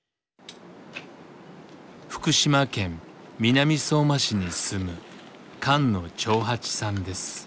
福島県南相馬市に住む菅野長八さんです。